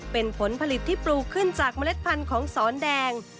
เป็นผลผลิตที่ปลูกขึ้นจากเมล็ดพันธุ์ของสอนแดง